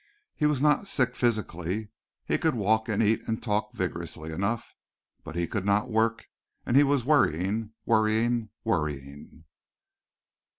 He was not sick physically: he could walk and eat and talk vigorously enough, but he could not work and he was worrying, worrying, worrying.